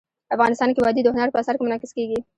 افغانستان کې وادي د هنر په اثار کې منعکس کېږي.